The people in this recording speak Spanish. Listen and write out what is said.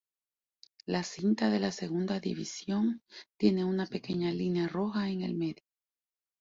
La cinta de la segunda división tiene una pequeña línea roja en el medio.